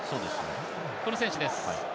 この選手です。